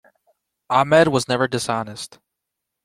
Ahmed was never dishonest.